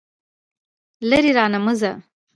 لرې رانه مه ځه.